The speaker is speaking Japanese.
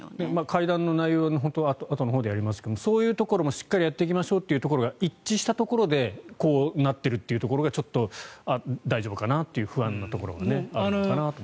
会談の内容はあとのほうでやりますがそういうところもしっかりやっていきましょうというところが一致したところでこうなっているのがちょっと大丈夫かなと不安なところがあると。